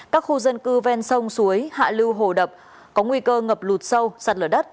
các khu dân cư ven sông suối hạ lưu hồ đập có nguy cơ ngập lụt sâu sạt lở đất